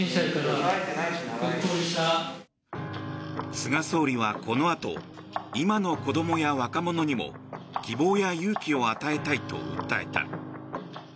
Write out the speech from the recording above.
菅総理はこのあと今の子どもや若者にも希望や勇気を与えたいと訴えた。